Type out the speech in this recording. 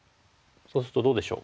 そうするとどうでしょう？